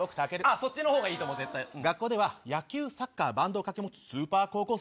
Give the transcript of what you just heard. そっちのほうが絶対いいと思学校では野球、サッカー、バンドをかけ持つスーパー高校生。